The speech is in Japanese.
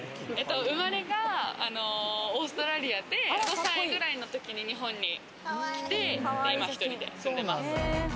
生まれがオーストラリアで５歳くらいの時に日本に来て、今、１人で住んでます。